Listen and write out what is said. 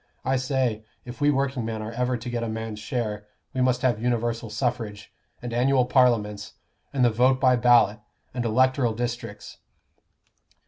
I say, if we workingmen are ever to get a man's share, we must have universal suffrage, and annual Parliaments, and the vote by ballot, and electoral districts."